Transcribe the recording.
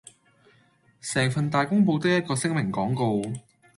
成份大公報得一個聲明廣告